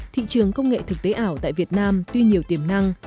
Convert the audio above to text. thị trường công nghệ thực tế ảo tại việt nam tuy nhiều tiềm năng